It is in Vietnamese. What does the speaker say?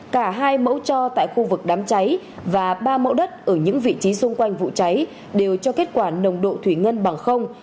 cả hai mẫu cho tại khu vực đám cháy và ba mẫu đất ở những vị trí xung quanh vụ cháy đều cho kết quả nồng độ thủy ngân bằng không